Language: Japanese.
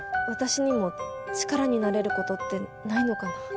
私にも力になれることってないのかな？